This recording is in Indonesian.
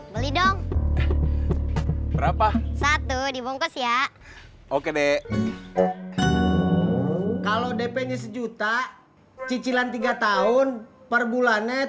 beli dong berapa satu dibongkus ya oke deh kalau dp sejuta cicilan tiga tahun perbulannya tujuh ratus